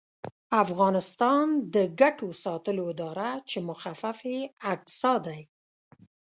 افغانستان د ګټو ساتلو اداره چې مخفف یې اګسا دی